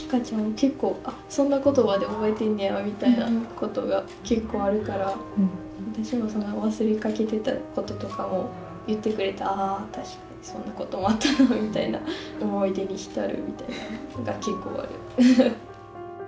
結構「あそんなことまで覚えてんにゃー」みたいなことが結構あるから私もそんな忘れかけてたこととかも言ってくれて「ああ確かにそんなこともあったな」みたいな思い出に浸るみたいなのが結構ある。